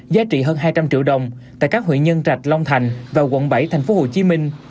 giá trị hơn hai trăm linh triệu đồng tại các huyện nhân trạch long thành và quận bảy thành phố hồ chí minh